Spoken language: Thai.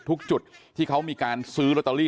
จุดที่เขามีการซื้อลอตเตอรี่